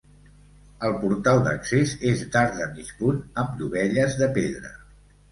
El portal d'accés és d'arc de mig punt amb dovelles de pedra.